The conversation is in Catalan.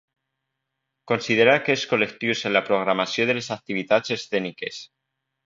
Considerar aquests col·lectius en la programació de les activitats escèniques.